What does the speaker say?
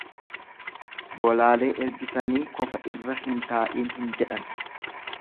Bolaalee ergisanii kofa irra hin taa'iin hin jedhan.